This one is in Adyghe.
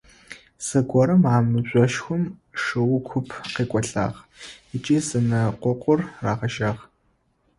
Зэгорэм а мыжъошхом шыу куп къекӏолӏагъ ыкӏи зэнэкъокъур рагъэжьагъ.